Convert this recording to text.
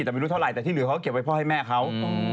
แต่ไม่รู้เท่าไหร่แต่ที่เหลือเขาก็เก็บไว้พ่อให้แม่เขา